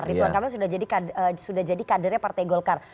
rituan kami sudah jadi kadernya partai golkar